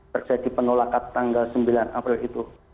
terjadi penolakan tanggal sembilan april itu